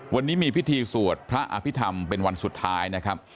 วันนี้มีพิธีสวดพระอภิษฐรรมเป็นวันสุดท้ายนะครับ